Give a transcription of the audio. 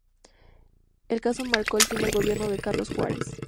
El caso marcó el fin del gobierno de Carlos Juárez.